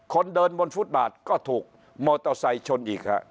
คนเดินบนฟุตบาทก็ถูกมอเตอร์ไซค์ชนอีกฮะ